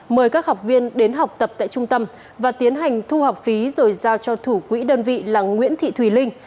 mời các học viên đến học tập tại trung tâm và tiến hành thu học phí rồi giao cho thủ quỹ đơn vị là nguyễn thị thùy linh